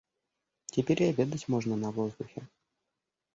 Теперь и обедать можно на воздухе.